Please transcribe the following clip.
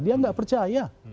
dia tidak percaya